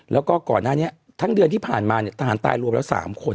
แล้วก็ก่อนหน้านี้ทั้งเดือนที่ผ่านมาเนี่ยทหารตายรวมแล้ว๓คน